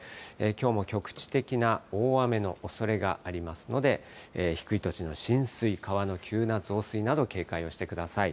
きょうも局地的な大雨のおそれがありますので、低い土地の浸水、川の急な増水など警戒をしてください。